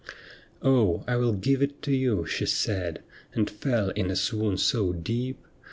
' Oh, I will give it to you,' she said, And fell in a swoon so deep.